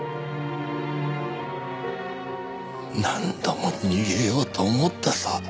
何度も逃げようと思ったさ。